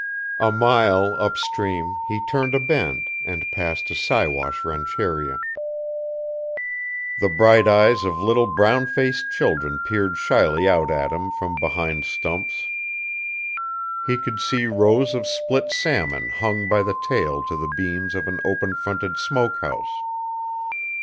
A mile up stream he turned a bend and passed a Siwash rancheria. The bright eyes of little brown faced children peered shyly out at him from behind stumps. He could see rows of split salmon hung by the tail to the beams of an open fronted smokehouse.